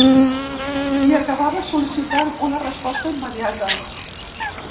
I acabava sol·licitant una resposta immediata.